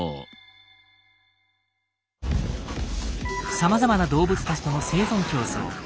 さまざまな動物たちとの生存競争。